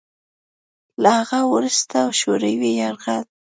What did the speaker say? له هغه وروسته شوروي یرغل